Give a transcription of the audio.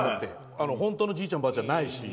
本当のじいちゃんばあちゃんじゃないし。